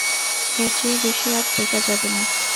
এর চেয়ে বেশি আর টেকা যাবে না।